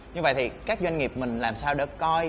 như vậy thì các doanh nghiệp mình làm sao để coi